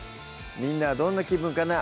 みんなはどんな気分かなぁ